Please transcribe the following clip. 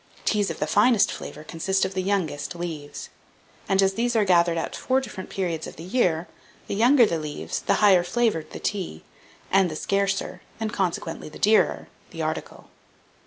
Teas of the finest flavour consist of the youngest leaves; and as these are gathered at four different periods of the year, the younger the leaves the higher flavoured the tea, and the scarcer, and consequently the dearer, the article.